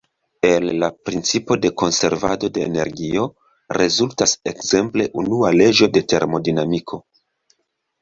El la principo de konservado de energio rezultas ekzemple unua leĝo de termodinamiko.